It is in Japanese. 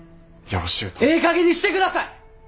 ええかげんにしてください！